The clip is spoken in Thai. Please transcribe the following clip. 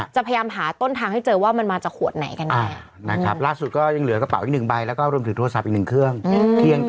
จะพยายามหาต้นทางให้เจอว่ามันมาจากขวดไหนกันแน่